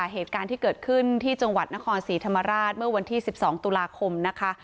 เหตุการณ์ที่เกิดขึ้นที่จังหวัดนครศรีธรรมราชเมื่อวันที่๑๒ตุลาคมนะคะ